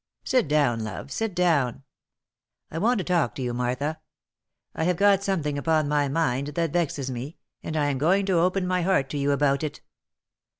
Sit down, love, sit down; I want to talk to you, Martha, I have got something upon my mind that vexes me, and I am going to open my heart to you about it."